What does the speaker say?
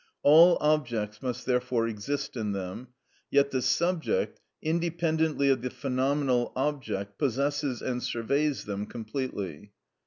All objects must therefore exist in them, yet the subject, independently of the phenomenal object, possesses and surveys them completely.